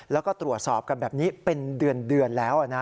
แล้วก็ตรวจสอบกันแบบนี้เป็นเดือนแล้วนะ